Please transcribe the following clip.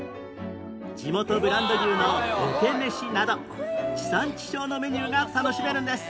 地元ブランド牛の桶飯など地産地消のメニューが楽しめるんです